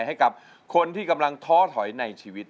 ให้กับคนที่กำลังท้อถอยในชีวิต